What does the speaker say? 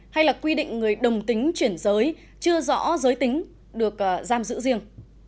hay là quy định người đồng tính chuyển giới chưa rõ giới tính được giam giữ riêng